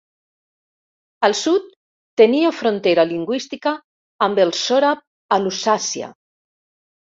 Al sud, tenia frontera lingüística amb el sòrab a Lusàcia.